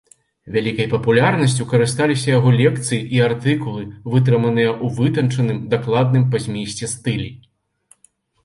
Вялікай папулярнасцю карысталіся яго лекцыі і артыкулы, вытрыманыя ў вытанчаным, дакладным па змесце стылі.